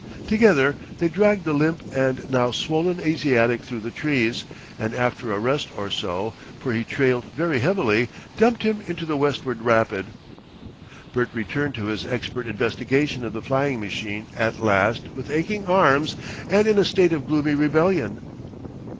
Together they dragged the limp and now swollen Asiatic through the trees, and after a rest or so for he trailed very heavily dumped him into the westward rapid. Bert returned to his expert investigation of the flying machine at last with aching arms and in a state of gloomy rebellion.